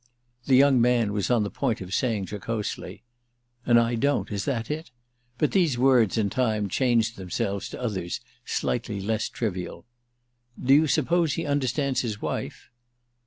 The young man was on the point of saying jocosely: "And I don't—is that it?" But these words, in time, changed themselves to others slightly less trivial: "Do you suppose he understands his wife?"